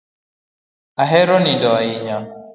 Ahero nindo ahinya.